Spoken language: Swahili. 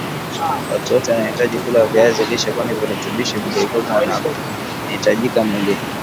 Watu wote wanahitaji kula viazi lishe kwani virutubishi vilivyomo vinahitajika mwilini